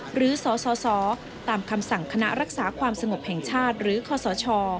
หรือสสตามคำสั่งคณะรักษาความสงบแห่งชาติหรือคศ